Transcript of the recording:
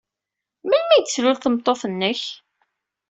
Melmi ay tlul tmeṭṭut-nnek?